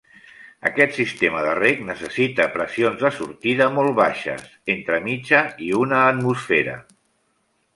Aquest sistema de reg necessita pressions de sortida molt baixes entre mitja i una atmosfera.